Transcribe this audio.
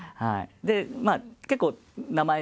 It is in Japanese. で結構名前